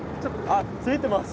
あついてます